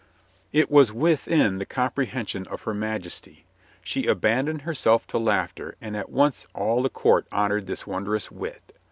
It was within the comprehension of her Majesty. She abandoned herself to laughter, and at once all the court honored this wondrous wit.